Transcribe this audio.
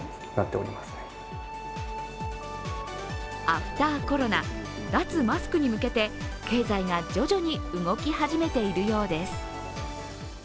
アフターコロナ、脱マスクに向けて経済が徐々に動き始めているようです。